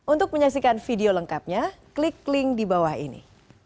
untuk menyaksikan video lengkapnya klik link di bawah ini